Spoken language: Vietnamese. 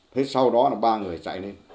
thế sau đó là ba người chạy lên